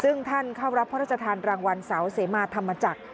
ซึ่งท่านเข้ารับพระราชทานรางวัลเสาเสมาธรรมจักร